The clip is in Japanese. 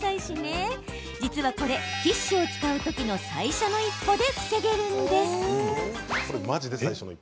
実は、これティッシュを使う時の最初の一歩で防げるんです。